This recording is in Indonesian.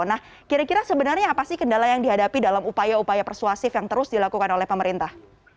nah kira kira sebenarnya apa sih kendala yang dihadapi dalam upaya upaya persuasif yang terus dilakukan oleh pemerintah